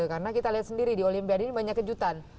karena kita lihat sendiri di olimpiade ini banyak kejutan